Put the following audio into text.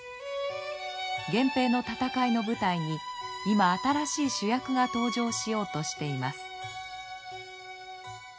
源平の戦いの舞台に今新しい主役が登場しようとしています。